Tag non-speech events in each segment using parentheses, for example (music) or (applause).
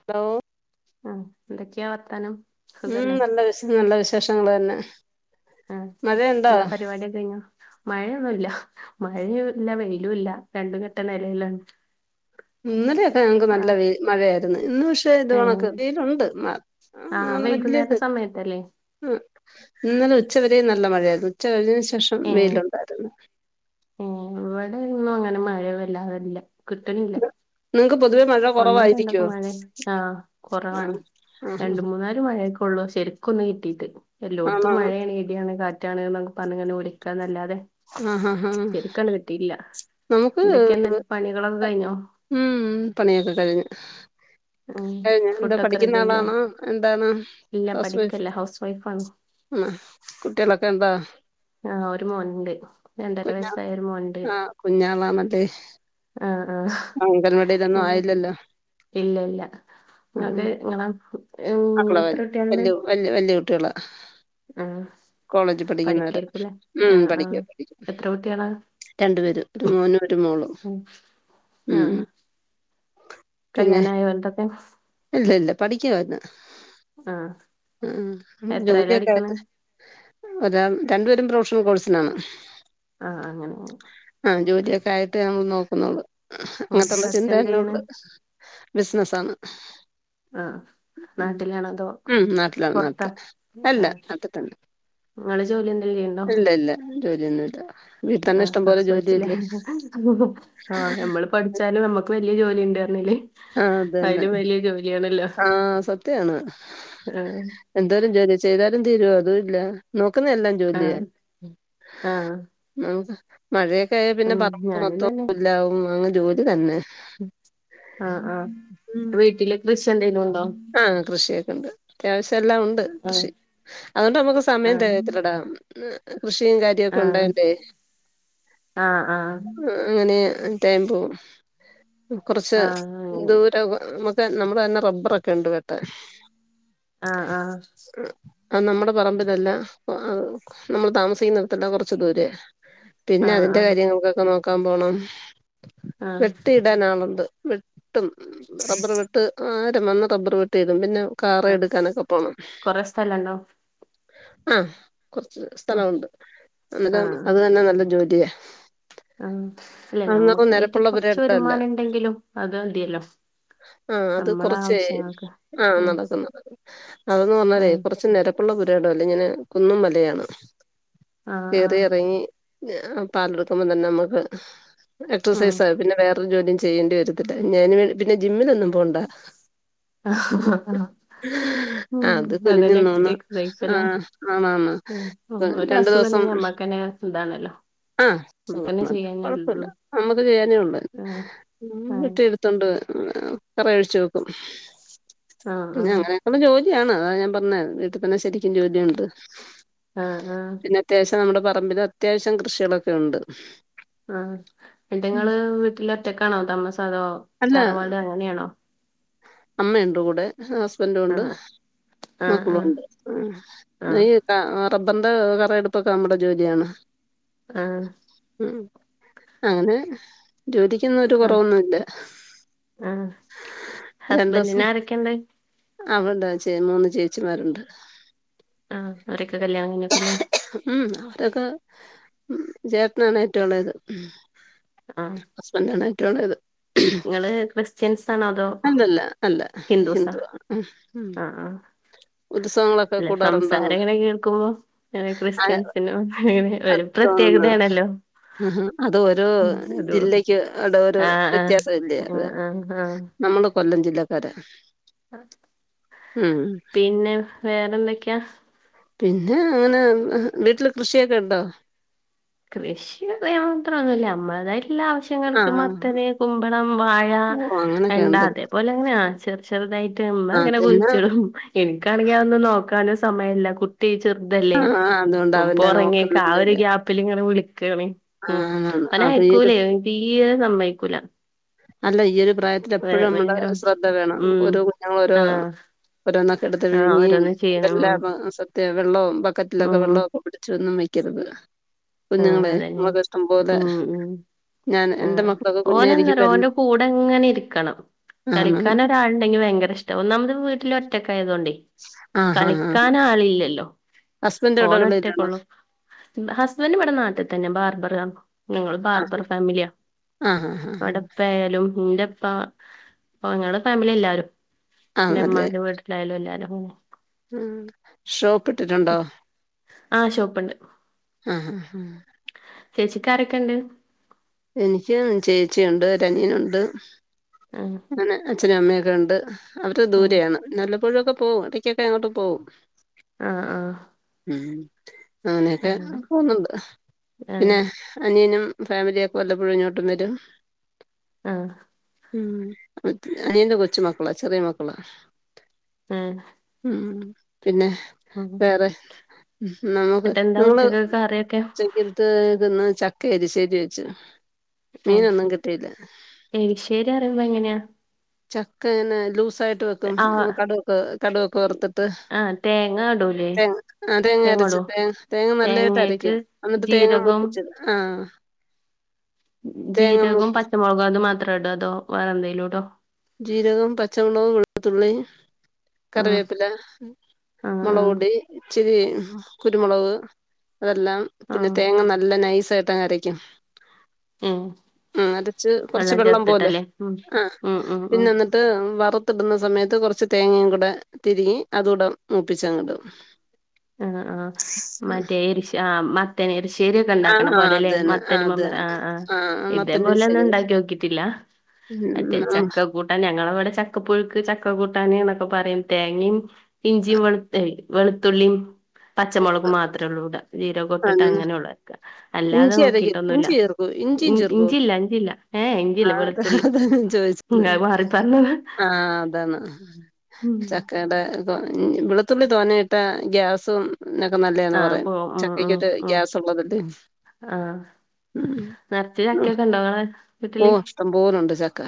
Hello. ആ എന്തൊക്കെയാ വർത്താനം. ഉം സുഖല്ലേ നല്ല വിശ നല്ല വിശേഷങ്ങൾ തന്നെ. ആ മഴയുണ്ടോ എന്താ പരിപാടിയൊക്കെ കയ്ഞ്ഞോ മഴയൊന്നുല്ല. മഴയുല്ല വെയിലുല്ല രണ്ടുംകെട്ട നെലയിലാണ്. ഇന്നലൊകെ ഞങ്ങക്ക് നല്ല വെ മഴയായി ഇന്ന് പക്ഷേ ഇത് കണക്ക് ഏഹ് വെയിലുണ്ട് ആഹ് അങ്ങനെ വൈകുന്നേര വല്യത്. സമയത്തല്ലേ ആ ഇന്നലെ ഉച്ചവരെ നല്ല മഴയായിരുന്നു ഉച്ചകയിഞ്ഞെനശേഷം വെയിലുണ്ടായിരുന്നു. ഇവിടോന്നും അങ്ങനെ മഴ വല്ലാതല്ല കിട്ടണില്ല. നിങ്ങക്ക് പൊതുവേ മഴ ഒന്നോ രണ്ടൊക്കെ കുറവായിരിക്കുവോ മഴയ ആ ആ കൊറവാണ് രണ്ട മൂന്നാല് മഴയക്ക. ളു ശെരിക്കൊന്ന് കിട്ടീട്ട് ആ ആണോ എലൊടത്തും മഴയാണ് ഇടിയാണ് കാ ട്ടാണ് ന്നൊക്കെ പറഞ്ഞങ്ങെവിളിക്കാന്നലാതെ ആ ഹാ ഹാ ശരിക്കങ്ങട്ട് കിട്ടീല. നമുക്ക് ന്തക്ക്യ ന്നിട്ട് പണികളൊക്കെ കഴിഞ്ഞോ. കയ്ഞ്. (inaudible) ഉം ഫുഡൊക്കെ റെഡിയായീലെ ആളാണോ എന്താണ് ഇല്ല പഠിക്കല്ല ഹൗസ് വൈഫാണ്. ഉം കുട്ട്യേളൊക്കെ ണ്ടോ ആ ഒരു മോൻണ്ട് രണ്ടര കുഞ്ഞാ വയസ്സായ ഒരു മോൻണ്ട്. ആ അങ്കൻവടിലൊന്നും ആയില്ലല്ലോ? ഇല്ല ഇല്ല ഇങ്ങക്ക് എങ്ങനാ? മക്കള് വൽ വല്ല്യ വല്ല്യ വല്ല്യ കുട്ടികള. ആഹ് കോളേജി പഠിക്കുന്നവരാ പഠിക്കായിരിക്കുംല്ലേ ഉം ആഹ് ആഹ് പഠിക്ക പഠി--. എത്ര കുട്ടികളാ രണ്ട് പേര് ഒരു മോനും ഒരു മോളും. ആ ഉം കല്യാണയോ ഓല്തൊക്കെ? പഠിക്കുവാണ് ആഹ് ഉം എത്രേലാ ജോലിയൊക്കെ പഠിക്കണെ ആട്ടെ. ഒരാൾ രണ്ടു പേരും പ്രൊഫഷണൽ കോഴ്സിനാണ്. ആ അങ്ങനെയാണ്. ആ ജോലിയൊക്കെ ആയിട്ടെ നമ്മൾ നോക്കുന്നൊള്ളൂ ഉം അങ്ങൻത്തൊള്ള ഹസ് എന്ത് ചിന്തന്നെ ചെയ്യണ് ഒള്ളൂ. ബിസിനസ്സാണ്. ആഹ് നാട്ടിലാണോ അതോ ഉം നാട്ടിലാ പൊറത്താ നാട്ടിലാ അല്ല നാട്ടിത്തന്നെ. ങ്ങള് ജോലി എന്തേലും ചെയ്യണ്ടോ? ജോലിയൊന്നുല്ല. ആ (unintelligible) കൊഴപ്പില്ല ആ നമ്മള് പഠിച്ചാല് നമ്മക്ക് വെ ട്ടില് ജോലിണ്ട്റഞ്ഞില്ലേ ആ അത് തന്നെ അയിലും വലിയ ജോലിയാണ്. ആ സത്യാണ് ആഹ് എന്തോരം ജോലി ചെയ്താലും തീരുവോ അതുല്ല നോക്കുന്ന എല്ലാം ജോലിയ ആഹ് ആഹ് നമുക്ക് മഴയൊക്കായാ പിന്നെ ഉം പറമ്പ് ഞാനും മൊത്തം തന്നെ പുല്ലാവും അങ്ങ് ജോലി തന്നെ. ആ ആ വീട്ടില് കൃഷി എന്തേലു ആ കൃഷിയക്കെണ്ട് അത്യാവശ്യം ച്ചേല്ലാ ഉണ്ട് ആഹ് കൃഷി അന്നിട്ട് നമുക്ക് സമയം ആഹ് തികയത്തില്ലടാ. കൃഷിയും ആഹ് കാര്യക്കെയൊണ്ടായണ്ടേ അങ്ങനെയാ. ടൈം പോം കൊറച്ച് ആഹ് ആഹ് ആഹ് ദൂര മക്ക്‌ നമ്മളന്നെ റബ്ബറൊ ക്കെണ്ട് വെട്ടാൻ. ആ ആ അത് നമ്മടെ പറമ്പിലല്ല ആ നമ്മള് താമസിക്കുന്നിടത്തല്ല കൊറച്ച് ദൂരയാ. ആഹ് പിന്നെ അതിന്റെ ആഹ് കാര്യങ്ങൾക്കൊക്കെ നോക്കാൻ പോണം ആഹ് വെട്ടിയിടാനാളുണ്ട്. വെട്ടും റബർ വെട്ട് ആര വന്ന് റബ്ബർ വെട്ടിയിടും പിന്ന കാറേ ആഹ് എടുക്കാനൊക്കെ പോണം. കൊറെ സ്ഥലണ്ടോ ആ കൊറച്ച് ആഹ് സ്ഥലോണ്ട് അന്നരം അത് തന്നെ നല്ല ജോലിയ. ആ ല്ലെ നമ്മുക്കായിട്ട് നിരപ്പുള്ള കൊറച്ച് പുരയിടമല്ല വരുമാനണ്ടെങ്കിലും അത് തിയല്ലോ. ആ അത് കൊറച്ചേ ആ ആഹ് നടക്കുന്നത്. അതെന്ന് പറഞ്ഞാലേ ആഹ് കൊറച്ച് നെരപ്പുള്ള പുരയിടല്ല ഇങ്ങനെ കുന്നും മലയാണ്. ആഹ് കേറി ആഹ് എറങ്ങി പാലെടുക്കുമ്പ തന്നെ നമ്മക്ക് ഉം എക്സർസൈസായി പിന്നെ വേറൊരു ജോലിയും ചെയ്യേണ്ടി വരത്തില്ല ഞാന് വേ പിന്നെ ജിമ്മിനൊന്നും പോണ്ട. ആ ഉം ആഹ് അത് അതന്നെ കുനിഞ്ഞുനിന്ന് എക്സൈസസല്ലേ ആഹ് ആണാണ് രണ്ടു ഒരസുഖല്ലങ്കിയമ്മക്കന്നേ (unintelligible) ഇതാണല്ലോ. ആ (inaudible) നമുക്കന്നെ ചെയ്യാനല്ലല്ലോ കൊഴപ്പില്ല നമ്മക്ക് ചെയ്യാനേ ഉള്ളൂ ആഹ് ആഹ് വെട്ടി എടുത്തോണ്ട് കറ ഒഴിച്ചു വെക്കും ആഹ് പിന്നെ ആഹ് അങ്ങനെയൊക്കെള്ള ജോലി യാണ് അതാ ഞാൻ പറഞ്ഞെ വീട്ടിതന്നെ ശരിക്കും ജോലിയൊണ്ട് ആഹ് ആഹ് പിന്നെ അത്യാവിശ്യം നമ്മടെ പ പറമ്പിലത്യാവശ്യം കൃഷികളൊക്കെണ്ട്. ആ പെഡ്ങ്ങള് വീട്ടിലൊറ്റക്കാണോ താമ അതോ തറവാട് അങ്ങനെയാണോ? അമ്മയൊണ്ട് കൂടെ. ഹസ്ബന്റും ഒണ്ട് ആഹ് ആഹ് ആഹ് മക്കളുണ്ട് ആഹ് (unintelligible) തബന്റെ കറയെടുപ്പൊക്കെ നമ്മടെ ജോലിയാണ്. ആഹ് ഉം അങ്ങനെ ജോലിക്കൊന്നും ഒരു ആഹ് കുറവൊന്നു ഇല്ല ഹസ്ബൻ്റിന് ആരൊക്കെണ്ട് അവിടെ ചേ മൂന്ന് ചേച്ചിമാരുണ്ട് ആഹ് അവരൊക്കെ കല്യാണം കഴിഞ്ഞക്കുല്ലേ രൊക്കെ ഉം ചേട്ട്നാണ് ഏറ്റോളേത് ഹസ്ബൻ്റാണ് റ്റെളേത് ഇങ്ങള് ക്രിസ്ത്യൻസ് ആണോ അതോ അല്ലല്ല അല്ല ഹിന്ദൂസാ ഹിന്ദുവാ ഉം ആഹ് ആഹ് ഉത്സവങ്ങളൊ അല്ല സംസാരം ഇങ്ങനെ കേൾക്കുമ്പോ നെ ആ ക്രിസ്ത്യൻസിനും അങ്ങനെ ഒരു പ്രത്യേകതേണല്ലോ ഉംഹും അത് ഓരോ ജില്ലക്ക് അവിടെ ഓരോ ആഹ് ആഹ് വ്യത്യാസല്ലേ അതാ ആഹ് ആഹ് ആഹ് നമ്മള് കൊല്ലം ജില്ലക്കാര പിന്നെ വേറെന്തെക്ക്യാ പിന്നെ അങ്ങനെ ഹ് വീട്ട്ല് കൃഷ്യൊക്കെ ഇണ്ടോ കൃഷിന്ന് പറയാൻ മാത്രം ഒന്നുല്ല അമ്മളതായി എല്ലാ ആവശ്യങ്ങൾക്കും ആഹ് മത്തന് കുമ്പളം വാഴ ഓ അങ്ങനൊക്കെ വെണ്ട ഉണ്ട് അതേപോലെ ങ്ങനെ ആഹ് ചെറു ചെറു തായിട്ട് ഇമ്മങ്ങനെ അതന്നെ കുയ്ച്ചിടും ഇൻക്കാണെങ്കി അഒന്നും നോക്കാനും സമയല്ല കുട്ടി ർതല്ലേ ആഹ് അതുകൊണ്ട് പ്പം അവനെ പ്പൊറങ്ങ്യേക്കാ നോക്കുന്ന ആ ഒരു ജോലി ഗ്യാ ങ്നെവിളിക്കണ് ഉം ആഹ് അപ്പൊ ഈ ഒരു ഒനയ്ക്കൂലേ തീരെ സമ്മയ്ക്കൂല അല്ല ഇയ്യൊഒരു പ്രായത്തിലെപ്പഴും നമ്മുടെ സ്രദ്ധ വേണം ഉം ഓരോ കുഞ്ഞുങ്ങളോരോ ആഹ് ഓരോന്നൊക്കെടുത്ത് ആഹ് വിഴുങ്ങി ഓരോന്ന് ചെയ്യണം ഉം എന്തരെല്ലാം ആക്കും സ ത്തെ വെള്ളോം ബക്കറ്റ്ലൊക്കെ ഉം വെള്ളോക്കെ പിടിച്ച് ഒന്നും വെക്കരുത് ആഹ് കുഞ്ഞുങ്ങളെ അതന്നെ നിമക്കിഷ്ടം പോലെ ഉം ഉം ഞാൻ എന്റെ ആഹ് മക്കളൊക്കെ കുഞ്ഞാരിക്കും ഓനെന്തറിയോ ഓന്റെ കൂടെങ്ങനെ ഇരിക്കണം ആഹ് കളിക്കാൻ ഒരാൾണ്ടെങ്കി ഭയ്ങ്കരഷ്ടാ ഒന്നാമത് വീട്ടില് ഒറ്റ ക്കായതുകൊണ്ടേ ആഹ് ആഹ് കളിക്കാൻ ആളില്ലല്ലോ ഹസ്ബൻഡ് ഇവിടെ വെളിയിലാണോ പ്പോനൊറ്റക്കൊള്ളു ഹസ്ബൻഡ് ഇവിടെ നാട്ടി തന്നെ ബാർബർ ആഹ് ഞങ്ങള് ആ ബാർബർ ഫാമിലിയാ ആ ഹാ ഹാ ഹാ ഇവിടെ ഇപ്പ്യായാലും ന്റെ ഉപ്പ ങ്ങളടെ ഫാമിലി എല്ലാരും പിന്നെ ഇമ്മാൻ്റെ വീട്ടിലായാലും എല്ലാരും ഹും ഉം ഷോപ്പ് ഇട്ടിട്ടുണ്ടോ ആഹ് ഷോപ്പിണ്ട് ഹും ചേച്ചിക്കാരൊക്കെണ്ട് എനിക്കും ചേച്ചിയുണ്ട് ഒരനിയനുണ്ട് ആഹ് അങ്ങനെ അച്ഛനും അമ്മെയൊക്കെണ്ട് അവരു ആഹ് ദൂരെയാണ് നല്ല പ്പൊഴൊക്കെ പോവും ഇടക്കൊക്കെ അങ്ങോട്ട് പോവും ആഹ് ആഹ് ഉം അങ്ങനെക്കെ അങ്ങനെ പോന്നുണ്ട് പിന്നെ ആഹ് അനിയനും ഫാമിലിയൊക്കെ വല്ലപ്പോഴും ഇങ്ങോട്ടും വരും ആഹ് ഉം കൊ അനിയന്റെ കൊച്ചു മക്കളാ ചെറ്യെ മക്കളാ ഉം ഉം പിന്നെ വേറെ നമുക്ക് എന്നിട്ടെന്താ നിങ്ങള് ഉച്ചക്ക് കറിയൊക്കെ ഉച്ചക്കൽത്ത് തിന്ന് ചക്ക എരിശ്ശേരി വെച്ചു ആഹ് മീനൊന്നും കിട്ടീല ന്നെങ്ങന്യാ ചക്ക ഇങ്ങനെ ലൂസ് സായിട്ട് വെക്കും ആഹ് കട്വൊക്കെ കട്വൊക്കെ വറുത്തിട്ട് ആഹ് തേങ്ങ ഇടൂലേ തേങ്ങ ആഹ് തേങ്ങര് തേങ്ങ ഇടോ ച്ചിട്ട് തേങ്ങ നല്ലായിട്ട് അരക്ക് തേങ്ങക്ക് അന്നിട്ട് തേങ്ങ ജീരകം മൂപ്പിച്ചിട് ആഹ് ജീരകോം മൂപ്പിച്ച് പച്ചമുളകും അതു മാത്രട അതോ വേറെന്തേലുടോ ജീരകം പച്ചമുളക് വെളുത്തുള്ളി ആഹ് കറിവേപ്പില ആഹ് ആഹ് മുളകൊടി ഇച്ചിരി കുരുമുളക് അതെല്ലാം പിന്നെ ആഹ് തേങ്ങ നല്ല നൈസായിട്ടങ്ങരക്ക ഉം ഉം അരച്ച് കൊറച്ച് വെള്ളം പോലെ ചേർത്തിട്ടല്ലേ ഉം ആഹ് ഉം ഉം പിന്നെ ഉം എന്നിട്ട് വറ് ത്തി ഇടുന്ന സമയത്ത് കുറച്ച് തേങ്ങയും കൂടെ തിരികി അതുകൂടെ മൂപ്പിച്ചങ്ങിടും. ആ ആഹ മറ്റേ ഇരിശ ആ മത്തന ഇരിശ ശേരിയ ഒക്കെ ആ ഉണ്ടാക്കണ ആ പോല്ലേ അത് ല്ലെ തന്നെ മത്തന് അത് തന്നെ ആ ആ മത്തന്റെ ഇതേപോലെ ഒന്നും വിശ്വല് ഉണ്ടാക്കി നോക്കിട്ടില്ല. മറ്റേ ഉം. ആ, ചക്കക്കൂട്ട ഞങ്ങള അവിടെ ചക്ക പുഴുക്ക് ചക്കക്കൂട്ട കുട്ടന്ന് പറയും തേങ്ങയും ഇഞ്ചി വെളുത്ത എ വെളുത്തുള്ളി പ പച്ചമുളക് മാത്രള്ളുടെ ജീരകെ ഇട്ടിട്ട് അതൊന്ന് ങ്ങനെ ഉണ്ടാക്ക അല്ലാതെ ഇഞ്ചി അരക്കും നോക്കിട്ടൊന്നുല്ല ഇഞ്ചി ചേർക്കോ ഇഞ്ചിയും ചേർക്കോ ഇഞ്ചില്ല ഇഞ്ചില്ല ഏ ഇഞ്ചില്ല ആഹ് അത വെളുത്തുള്ളി അതാ ഞാൻ ഉം, ചോദിച്ചത് അത് മാറി പറഞ്ഞതാ ആ അതാണ് ഉം ചക്കടെ വെളുത്തുള്ളി തോന്നയിട്ടാ ഗ്യാസും എന്നൊക്കെ നല്ലതന്ന് ആഹ് പറയാം പോ ചക്കക്കൊട്ട് ഗ്യാസ് ഉള്ളത ആ നറച്ച് ചക്കൊക്കെ ഉണ്ടോവടെ ഓ ഇഷ്ടം പോലുണ്ട് ചക്ക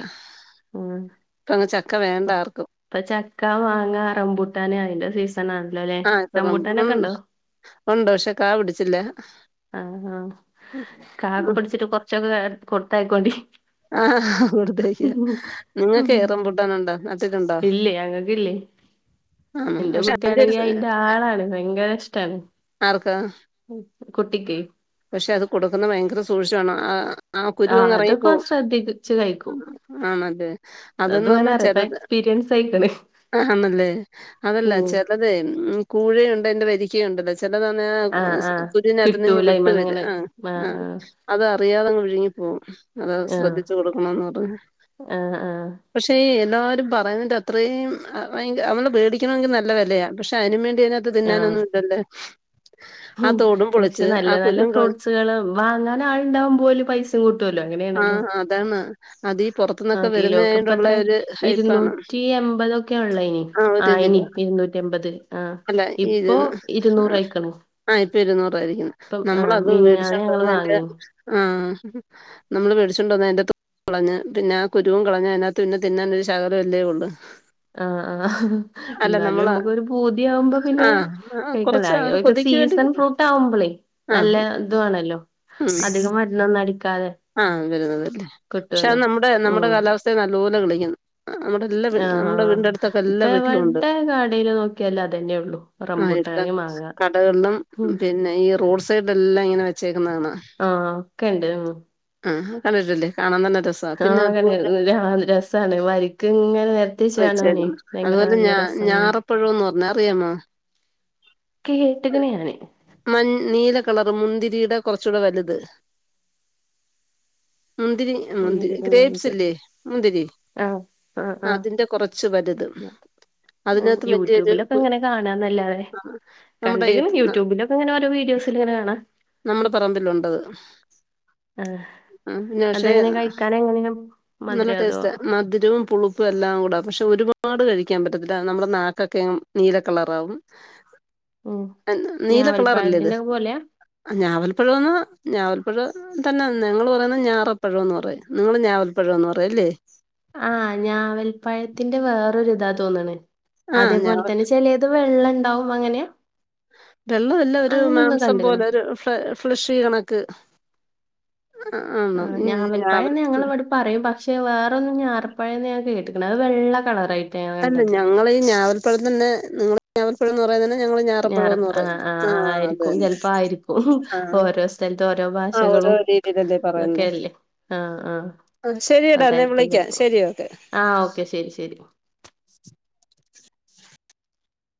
ആ ഇപ്പ അങ്ങ് ചക്ക വേണ്ട ആർക്കും ഇപ്പൊ ചക്ക മാങ്ങ റംപൂട്ടാനെ അയിന്റെ (unintelligible) ഉം ഉണ്ടു പക്ഷെ കാ പിടിച്ചില്ല. ആഹ ആഹ കാ പടിച്ചിട്ട് കുറച്ചക്ക കൊടുത്തയാക്കോൻ ണ്ടി ആ കോടുതയക്കാം ഉം. നിങ്ങക്ക് റമ്പൂട്ടാൻ ഉണ്ടോ നട്ടിട്ടുണ്ടോ? ആഹ് ഇന്റെ പക്ഷെ അതിന്റെ ഒരു കുട്ടിയാണെങ്കിൽ സ- അയിന്റെ ആളാണ് ഭയങ്കര ഇഷ്ടാണ്. ആർക്കാ (unintelligible) കുട്ടിക്ക് പക്ഷെ അത് കൊടുക്കുന്ന ഭയങ്കര സൂക്ഷിവേണം ആ ആ ആഹ് കുരുവങ് അതൊക്കെ ഓൻ ഇറങ്ങിപ്പോക്കും ശ്രദ്ധിച്ച് കഴിക്കും ആ (unintelligible) അത് അതെന്ന് പറഞ്ഞാ ഓനറിയാ ചെലത്- (unintelligible) ആ ആണല്ലേ അതല്ല ഉം ചെലതെ ഉം കൂഴയുണ്ട് അന്റെ വരിക്കയ ഉണ്ടല്ലോ ചിലതാന്നേ ആഹ് ആഹ് (unintelligible) കുറുവേനാത്തൂനേ കിട്ടൂല ട്ട് അയിമന്ന് വര് ഇങ്ങനെ ആ ആ ആഹ് അത് അറിയാതെങ്ങു വിഴുങ്ങി പോകും. അത ആഹ് ശ്രദ്ധിച്ചു കൊടുക്കണോന്ന് പറയുന്നേ ആഹ് ആഹ് ആഹ് പക്ഷേ എല്ലാവരും പറയുന്ന അത്രയും (unintelligible) വേടിക്കണെങ്കിൽ നല്ല വിലയാ പക്ഷെ അതിന വേണ്ടി തിനകത്ത് തിന്നാനൊന്നും ഇണ്ടല്ലേ ഔ പക്ഷെ നല്ല നല്ല കുരുവും കള ഫ്രൂട്ട്സുകള് വാങ്ങാൻ ആൾണ്ടാകുമ്പോൾ ഒൽ പൈസ കൂട്ടുല്ലോ ആ എങ്ങനെയാണല്ലോ അതാണ് അതീ ആ പൊറത്തുന്നൊക്കെ കിലോക്ക്പ്പോ വരുന്നതായോണ്ടുള്ള അത്രേ ഒരു ഹൈപ്പാണ് ഇരുന്നൂറ്റി എമ്പതൊക്കെയ ഉള്ള ഇനി ആ ഒരു ആയിനി കിലോ ഇരുന്നൂറ്റി എമ്പത് ആ അല്ല ഈ ഇപ്പൊ ഇരുന്നൂറയിക്ണ് ഇരുന്നൂറ ആയിരികക്ക്ണ് നമ്മളത് ഞങ്ങള് വെടിച്ചുകൊണ്ടനിട്ട്തിന്റെ വാങ്ങീന് ആ നമ്മള് വെടിച്ച്കൊണ്ട നെന്റെ തോ കളഞ്ഞ് പിന്ന ആ കുരുവും കളഞ്ഞ് അതിനകത്ത് പിന്നെ തിന്നാൻരു ശകലം അല്ലെ ഉള്ളു. ആ ആ എന്നാലും നമ്മുക്ക് ഒരു പു തിയാവുമ്പോ പിന്നെ ആഹ് കൊറച്ച് ഒരു (unintelligible) കൊതിക്ക് വേണ്ടി സീസൺ ഫ്രൂട്ട് ആവുമ്പളേ നല്ല ആഹ് ഇതുവാണല്ലോ അധികം മരുന്നൊന്നും അടിക്കാതെ ആ വരുന്നതല്ലേ പക്ഷെ അത് കിട്ടുവല്ലോ നമ്മുടെ നമ്മുടെ ഉം കാലാവസ്ഥയെ നല്ലപോലെ കിളിക്കുന്നു. നമ്മുടെ എല്ലാ ആഹ് നമ്മുടെ ആഹ് വീടിന്റെ അടുത്തൊക്കെ എല്ലാ ഇപ്പൊ വീട്ടിലും ഉണ്ട് എവടെ കടേല് നോക്കിയാലും അതന്നെ ഉള്ളൂ ആ റംബൂട്ടാന് മാങ്ങ കടകളിലും ഉം പിന്നെ ഫ്രൂട്സായിട്ട്എല്ലാം ഇങ്ങനെ വെച്ചേക്കുന്ന കാണാം ആഹ് ഒക്കെണ്ട് ഉം കണ്ടിട്ടിലെ കാണൻ (unintelligible) രസമാണ് വക്ക് ഇങ്ങനെ വെച്ച് വച്ച കാണാനേ ഭയങ്കര അതുപോലെ ഞാ നല്ല ഞാ രസാണ് റപ്പഴോന്ന് പറഞ്ഞ അറിയാമോ കേട്ട്ക്ക്ണ് ഞാന് മ നീല കളറും മുന്തിരിടെ കൊറച്ചൂടെ വലുത് മുന്തിരി മുന്തിരി ഗ്രേപ്സ് ഇല്ലേ മുന്തിരി ആഹ് ആഹ് ആ അതിന്റെ കുറച്ച് വലുത് അ അതിനകത്ത് വലിയൊരു യൂട്യൂബിലൊക്കെ കു ഇങ്ങനെ കാണാന്നല്ലാതെ നമ്മുടെ ഈ കണ്ട്ക്ണ് യൂട്യൂബിലൊക്കെ ഇങ്ങനെ ഒരോ വീഡിയോ അപ്പൊ ശരി ങ്ങനെ കാണാ നമ്മുടെ പറമ്പില്ലുണ്ട് ആഹ് ആ പിന്നെ ക്ഷേ അതെങ്ങനെ കഴിക്കാൻ എങ്ങനെയാ നല്ല മധുരോ അതോ ടേസ്റ്റ മധുരവും പുളുപ്പും എല്ലാം കൂടെ പക്ഷെ ഒരുപ പാട് കഴിക്കാൻ പറ്റത്തില്ല നമ്മുടെ നാക്കക്കെ നീല കളറാവും ഉം നീല കളറല്ലേ ഇത് ഞാവൽപ്പഴത്തിന്റെ ഒക്കെ പോലെയാ ഞാവൽപ്പഴന്ന് ഞാവൽപ്പഴ തന്നെ നിങ്ങള് പറയുന്ന ഞാറപ്പഴംന്ന് പറയും നിങ്ങള് ഞാവൽപ്പഴ ഴന്നൂറ് ല്ലേ ആഹ് ഞാവൽപ്പഴത്തിന്റെ വേറൊരു താ തോന്ന്ണ് ആഹ് ഞാ അതേപോലെ തന്നെ ചെിലേത് വെള്ളം ണ്ടാവും അങ്ങനെയാ വെള്ളം ഇല്ല ഒരു മാംസം പോലെ ഒരു ഫ് ഫ്ലഷ കണക്ക് ആ ഞാവൽപ്പഴം ന്ന് ഞങ്ങള വിടെ പറയും പ ക്ഷേ വേറൊന്ന് ഞാർപ്പഴേന്ന് ഞാൻ കേട്ടക്കണ് അത് വെള്ള കളറായിട്ട് അല്ല ഞങ്ങള് ഈ ഞാവൽപ്പഴം തന്നെ നിങ്ങള് ഞാവൽപ്പഴം എന്ന് പറയുന്നത് ഞങ്ങള് ഞാറപ്പഴം ന്ന് ഞാറപ്പ ആഹ് പറയുന്നേ ആഹ് ആ ആയിരിക്കും അതെന്നെ ചെലപ്പോ ആയിരിക്കും. ഓരോ സ്ഥലത്ത് ഓരോ ആ ഓരോ ഭാഷകളും രീതിയിലല്ലേ പറയുന്നത് ഇതൊക്കെയല്ലേ. ആഹ് ആഹ് ആ ശരിയെടാ എന്നാ അതായിരിക്കും വിളിക്കാം ചെലപ്പം. ശെരി ഒക്കെ ആഹ് ഓക്കെ ശരി ശരി.